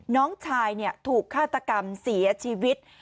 น้องชายถูกฆาตกรรมเสียชีวิต